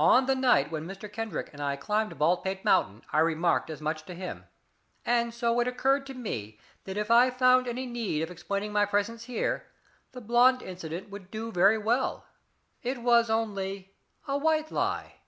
On the night when Mr. Kendrick and I climbed Baldpate Mountain, I remarked as much to him. And so it occurred to me that if I found any need of explaining my presence here, the blond incident would do very well. It was only a white lie."